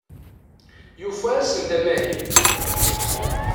Yufa-asen-d amahil.